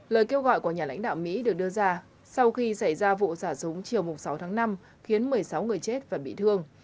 lời kêu gọi của nhà lãnh đạo mỹ được đưa ra sau khi xảy ra vụ xả súng chiều sáu tháng năm khiến một mươi sáu người chết và bị thương